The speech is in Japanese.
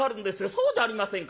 そうじゃありませんか。